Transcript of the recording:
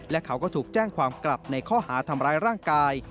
และเขาก็ถูกแจ้งความกลับในข้อหาทำร้ายร่างกาย